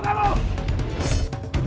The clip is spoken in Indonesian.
aku bunuh kamu